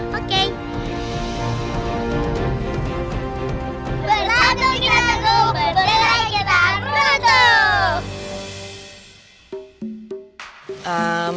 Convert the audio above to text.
bersatu kita tentu berbelah kita beruntung